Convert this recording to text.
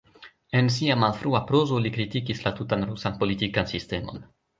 En sia malfrua prozo, li kritikis la tutan rusan politikan sistemon.